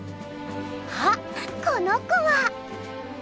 あっこの子は。